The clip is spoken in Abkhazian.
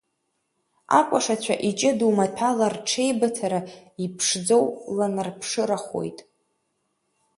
Акәашацәа иҷыдоу маҭәала рҽеибыҭара, иԥшӡоу ланарԥшырахоит.